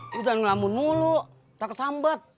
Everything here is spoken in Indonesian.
lu udah ngelamun mulu tak kesambet